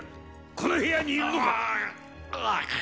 この部屋にいるのか？